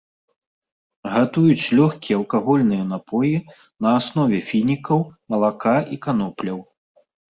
Гатуюць лёгкія алкагольныя напоі на аснове фінікаў, малака і канопляў.